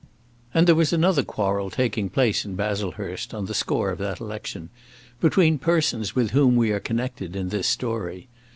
And there was another quarrel taking place in Baslehurst, on the score of that election, between persons with whom we are connected in this story.